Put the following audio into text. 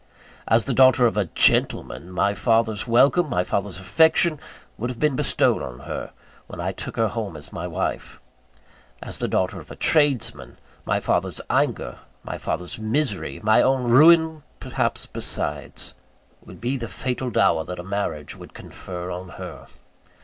As the daughter of a "gentleman," my father's welcome, my father's affection, would have been bestowed on her, when I took her home as my wife. As the daughter of a tradesman, my father's anger, my father's misery, my own ruin perhaps besides, would be the fatal dower that a marriage would confer on her.